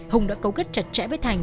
hùng đã cấu gất chặt chẽ với thành